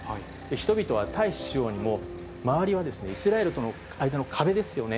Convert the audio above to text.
人々は退避しようにも、周りはイスラエルとの間の壁ですよね、